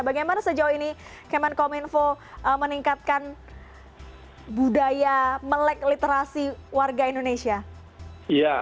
bagaimana sejauh ini kemenkominfo meningkatkan budaya melek literasi warga indonesia